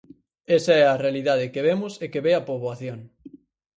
Esa é a realidade que vemos e que ve a poboación.